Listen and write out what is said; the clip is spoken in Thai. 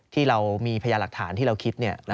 ที่เรามีพยาหลักฐานที่เราคิด